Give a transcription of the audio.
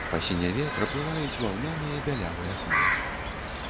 Па сіняве праплываюць ваўняныя бялявыя хмаркі.